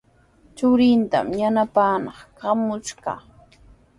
Churintami yanapaamaananpaq katramushqa.